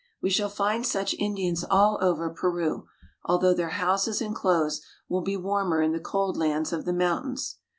We shall find such Indians over all Peru, although their houses and clothes will be warmer in the cold lands of the mountains.